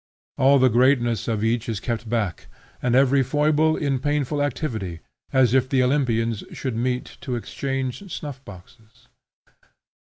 All the greatness of each is kept back and every foible in painful activity, as if the Olympians should meet to exchange snuff boxes.